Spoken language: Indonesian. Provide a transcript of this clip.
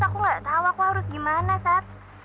aku nggak tahu aku harus gimana sat